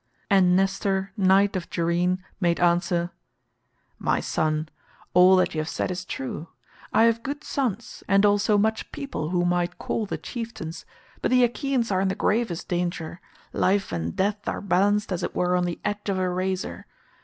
And Nestor knight of Gerene made answer, "My son, all that you have said is true. I have good sons, and also much people who might call the chieftains, but the Achaeans are in the gravest danger; life and death are balanced as it were on the edge of a razor.